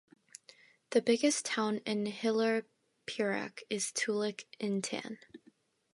The biggest town in Hilir Perak is Teluk Intan.